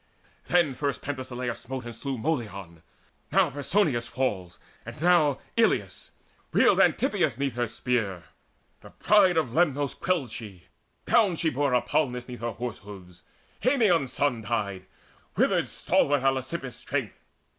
Then first Penthesileia smote and slew Molion; now Persinous falls, and now Eilissus; reeled Antitheus 'neath her spear The pride of Lernus quelled she: down she bore Hippalmus 'neath her horse hoofs; Haemon's son Died; withered stalwart Elasippus' strength.